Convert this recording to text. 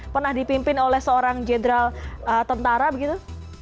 pernah dipimpin oleh seorang jenderal tentara begitu